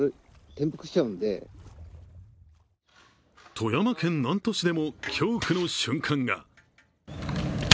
富山県南砺市でも、恐怖の瞬間が。